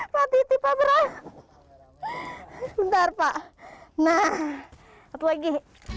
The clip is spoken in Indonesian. pati tipe berat bentar pak nah lagi